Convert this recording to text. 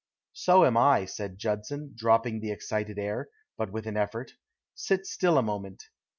"So am I," said Judson, dropping the excited air, but with an effort. "Sit still a moment."